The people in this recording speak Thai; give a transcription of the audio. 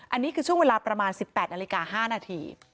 อันนี้คือช่วงเวลาประมาณ๑๘นาฬิกา๕นาที